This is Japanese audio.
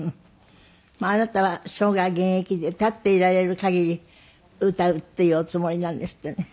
まああなたは生涯現役で立っていられる限り歌うっていうおつもりなんですってね？